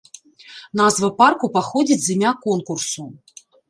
Назва парку паходзіць з імя конкурсу.